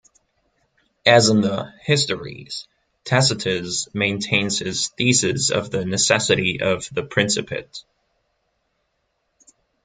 As in the "Histories", Tacitus maintains his thesis of the necessity of the principate.